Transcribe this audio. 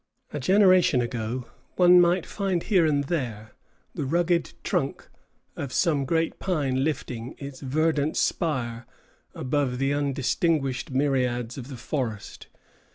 A generation ago one might find here and there the rugged trunk of some great pine lifting its verdant spire above the undistinguished myriads of the forest.